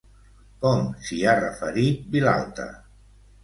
Com s'hi ha referit Vilalta?